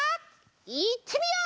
いってみよう！